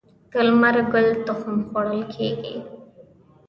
د لمر ګل تخم خوړل کیږي.